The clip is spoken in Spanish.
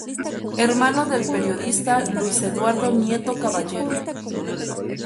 Hermano del periodista Luis Eduardo Nieto Caballero.